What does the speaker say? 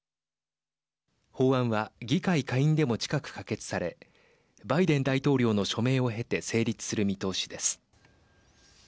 法案は議会下院でも近く可決されバイデン大統領の署名を経て成立する見通しです。